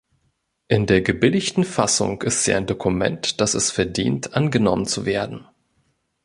In der gebilligten Fassung ist sie ein Dokument, das es verdient, angenommen zu werden.